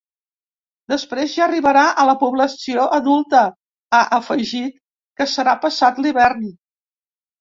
“Després, ja arribarà a la població adulta”, ha afegit, que serà passat l’hivern.